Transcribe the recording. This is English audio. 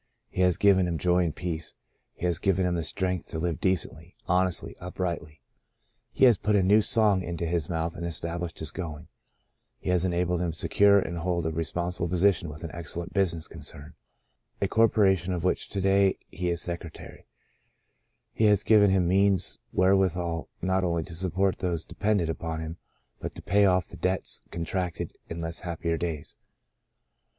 He has given him joy and peace ; He has given him the strength to live decently, hon esdy, uprighdy ; He has put a new song into his mouth and established his going; He has enabled him to secure and hold a re sponsible position with an excellent business concern — a corporation of which to day he is secretary ; He has given him means where withal not only to support those dependent upon him but to pay off the debts con tracted in less happier days.